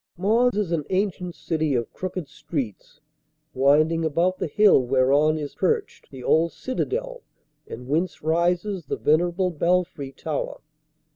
Mons is an ancient city of crooked streets winding about the hill whereon is perched the old citadel and whence rises the venerable belfry tower.